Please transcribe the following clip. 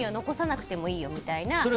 残さなくてもいいよみたいな。